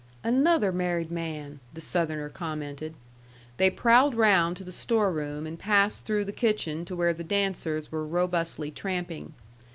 "Another married man!" the Southerner commented. They prowled round to the store room, and passed through the kitchen to where the dancers were robustly tramping.